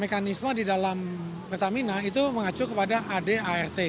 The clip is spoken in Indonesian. mekanisme di dalam pertamina itu mengacu kepada ad art